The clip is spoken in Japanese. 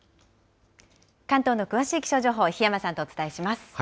関東の詳しい気象情報、檜山さんとお伝えします。